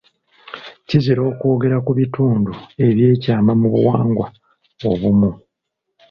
Kizira okwogera ku bitundu eby'ekyama mu buwangwa obumu.